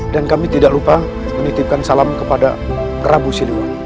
dan kami tidak lupa menitipkan salam kepada prabu siluang